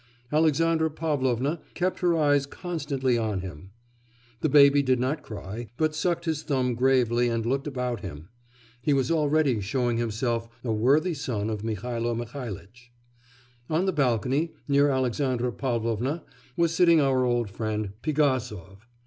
Alexandra Pavlovna kept her eyes constantly on him. The baby did not cry, but sucked his thumb gravely and looked about him. He was already showing himself a worthy son of Mihailo Mihailitch. On the balcony, near Alexandra Pavlovna, was sitting our old friend, Pigasov.